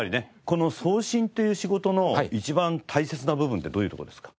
この送信って仕事の一番大切な部分ってどういうとこですか？